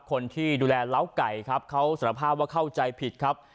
คนที่ดูแลเล้าไก่ครับเขาสารภาพว่าเข้าใจผิดครับ